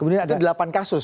itu delapan kasus